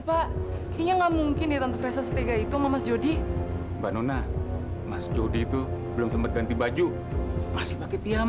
pak winana apa benar anda sudah berikan secara diam diam